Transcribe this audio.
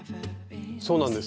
そうなんです。